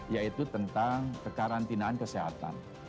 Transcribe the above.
yaitu tentang kekarantinaan kesehatan